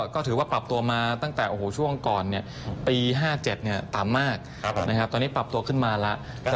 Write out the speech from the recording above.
ก็ถือว่าปรับตัวมาตั้งแต่ช่วงก่อนปี๕๗ต่ำมากตอนนี้ปรับตัวขึ้นมาแล้ว